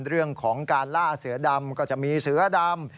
เรื่องของการล่าเสือดำก็จะมีเสือดำ